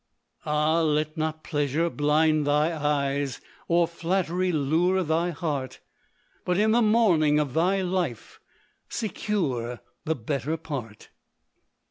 Ah! let not pleasure blind thy eyes, Or flattery lure thy heart; But in the morning of thy life, Secure the better part.